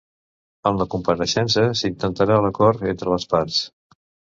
En la compareixença s'intentarà l'acord entre les parts.